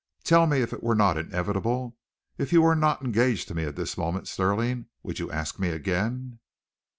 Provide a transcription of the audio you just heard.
Tell me, if it were not inevitable, if you were not engaged to me at this moment, Stirling, would you ask me again?"